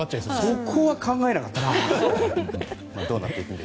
そこは考えなかったな。